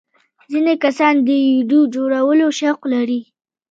ځینې کسان د ویډیو جوړولو شوق لري.